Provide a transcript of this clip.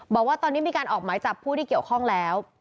บอกว่าตอนนี้มีการออกหมายจับผู้ที่เกี่ยวข้องแล้ว